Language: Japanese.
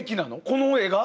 この絵が？